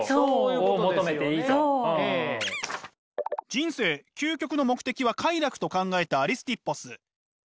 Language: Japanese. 「人生究極の目的は快楽」と考えたアリスティッポス。